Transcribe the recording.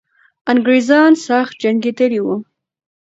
انګریزان سخت جنګېدلي وو.